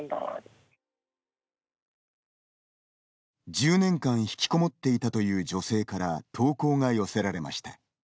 １０年間ひきこもっていたという女性から投稿が寄せられました。